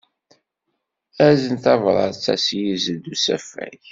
Azen tabṛat-a s yizen n usafag.